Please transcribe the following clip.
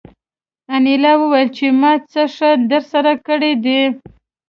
انیلا وویل چې ما څه ښه درسره کړي دي